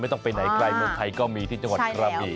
ต้องไปไหนไกลเมืองไทยก็มีที่จังหวัดกระบี่